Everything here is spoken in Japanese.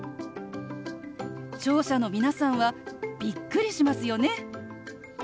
聴者の皆さんはびっくりしますよね！